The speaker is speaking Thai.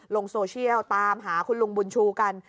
ลงโซเชียลตามหาคุณลุงบุญชูกัน